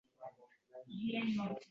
Oyijon, ruxsat bermadilar